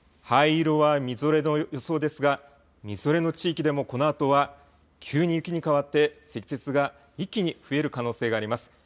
灰色はみぞれの予想ですが、みぞれの地域でもこのあとは急に雪に変わって、積雪が一気に増える可能性があります。